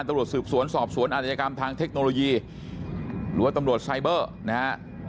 ตำรวจสืบสวนสอบสวนอาจยกรรมทางเทคโนโลยีหรือว่าตำรวจไซเบอร์นะฮะ